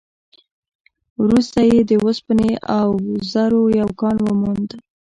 وروسته يې د اوسپنې او زرو يو کان وموند.